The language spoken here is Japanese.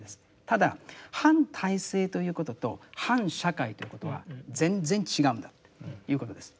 ただ反体制ということと反社会ということは全然違うんだということです。